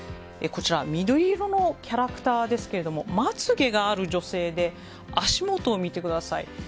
緑色のキャラクターですがまつげがある女性で足元を見てください。